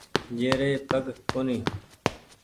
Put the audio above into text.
جيري پگ ڪونيٚ ۔